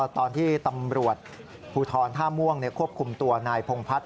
ตอนที่ตำรวจภูทรท่าม่วงควบคุมตัวนายพงพัฒน